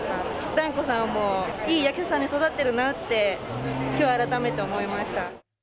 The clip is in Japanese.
團子さんはもう、いい役者さんに育ってるなって、きょう、改めて思いました。